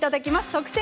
「特選！